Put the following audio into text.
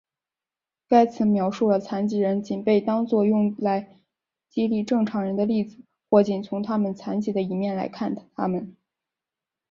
该词描述了残疾人仅被当做用来激励正常人的例子或仅从他们残疾的一面来看他们。